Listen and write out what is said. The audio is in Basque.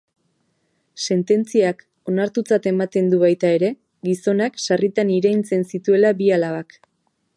Sententziak onartutzat ematen du baita ere, gizonak sarritan iraintzen zituela bi alabak.